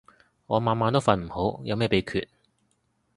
我晚晚都瞓唔好，有咩秘訣